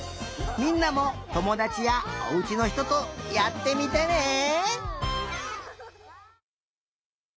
みんなもともだちやおうちのひととやってみてね！